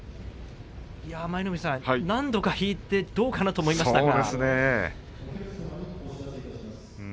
舞の海さん、何度か引いてどうかなと思いましたが。